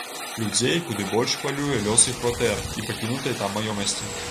Людзей куды больш хвалюе лёс іх кватэр і пакінутай там маёмасці.